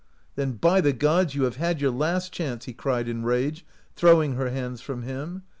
" Then, by the gods, you have had your last chance!" he cried in rage, throwing her hands from him.